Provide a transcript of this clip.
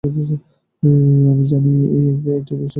আমি জানি সেদিন আমি একটু বিশেষ সাজগোজ করতুম।